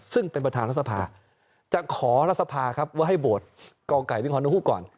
ซึ่งเป็นประธานรัฐสภาจะขอรัฐสภาครับว่าให้โหวตกไก่วิ่งฮอนฮู้ก่อน